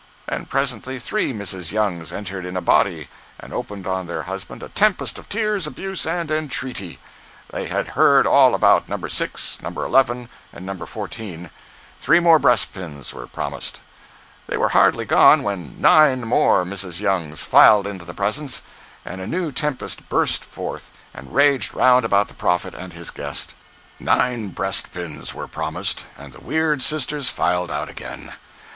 And presently three Mrs. Youngs entered in a body and opened on their husband a tempest of tears, abuse, and entreaty. They had heard all about No. 6, No. 11, and No. 14. Three more breast pins were promised. They were hardly gone when nine more Mrs. Youngs filed into the presence, and a new tempest burst forth and raged round about the prophet and his guest. Nine breast pins were promised, and the weird sisters filed out again.